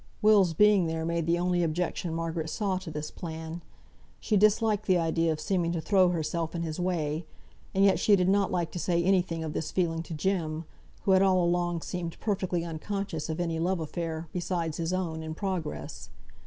Will's being there made the only objection Margaret saw to this plan. She disliked the idea of seeming to throw herself in his way; and yet she did not like to say any thing of this feeling to Jem, who had all along seemed perfectly unconscious of any love affair, besides his own, in progress.